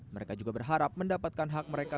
mereka juga berharap mendapatkan hak mereka